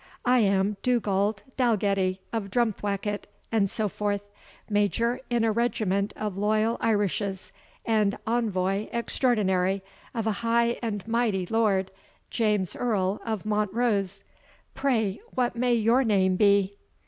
I am Dugald Dalgetty of Drumthwacket, and so forth, Major in a regiment of loyal Irishes, and Envoy Extraordinary of a High and Mighty Lord, James Earl of Montrose. Pray, what may your name be?"